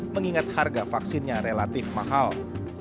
mengingat harga vaksinnya relatif mahal